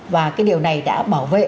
và cái điều này đã bảo vệ